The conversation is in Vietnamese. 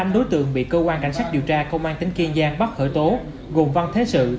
năm đối tượng bị cơ quan cảnh sát điều tra công an tỉnh kiên giang bắt khởi tố gồm văn thế sự